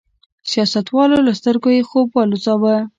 سیاستوالو له سترګو یې خوب والوځاوه.